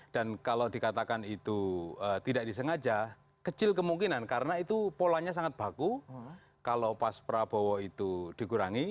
dan kalau dikatakan itu tidak disengaja kecil kemungkinan karena itu polanya sangat baku kalau pas prabowo itu dikurangi